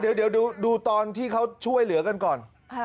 เดี๋ยวดูตอนที่เขาช่วยเหลือกันก่อน